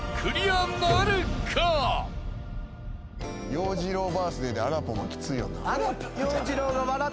洋次郎バースデーであらぽんはきつい。